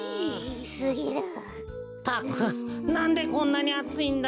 ったくなんでこんなにあついんだよ。